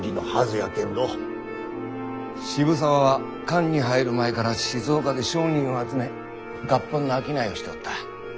渋沢は官に入る前から静岡で商人を集め合本の商いをしておった。